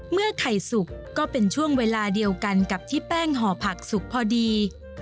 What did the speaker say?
ไข่สุกก็เป็นช่วงเวลาเดียวกันกับที่แป้งห่อผักสุกพอดี